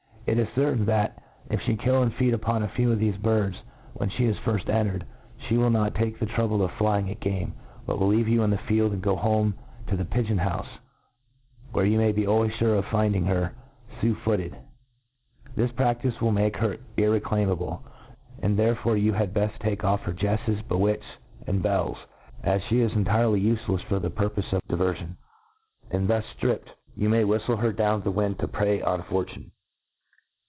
It is certain, that, • if fee kill and feed iljpon a few of thefe birds when fee is firft er^tcred, fee. will not take the trouble of flying at ^ame j b|4t will leave you in the field, and go home to the pigeon houfc, where you may be always 'fure pf finding her . fii* footed. This pradice will make her irre daimablc; and therefore you had befl: take off her jcffes, bewits, and bells, as fee is entirely ufe lefs for the purpofes of diverfion j and, thus ftrip ped, yoa may whiflic her down the wind to prey •n fi^tunc.